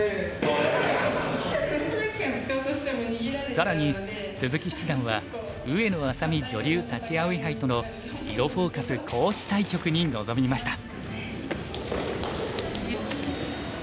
更に鈴木七段は上野愛咲美女流立葵杯との「囲碁フォーカス」講師対局に臨みました。